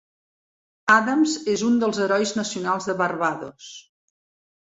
Adams és un dels herois nacionals de Barbados.